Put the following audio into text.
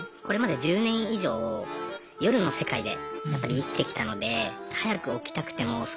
これまで１０年以上夜の世界でやっぱり生きてきたので早く起きたくても